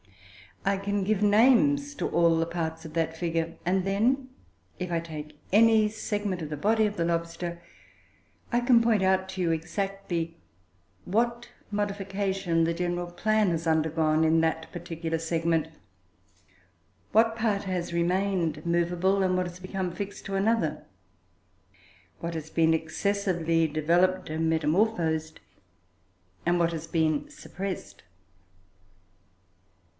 I can give names to all the parts of that figure, and then if I take any segment of the body of the lobster, I can point out to you exactly, what modification the general plan has undergone in that particular segment; what part has remained movable, and what has become fixed to another; what has been excessively developed and metamorphosed and what has been suppressed.